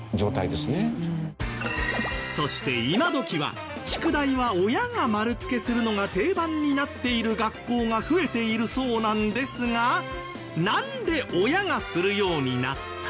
そして今どきは宿題は親が丸付けするのが定番になっている学校が増えているそうなんですがなんで親がするようになった？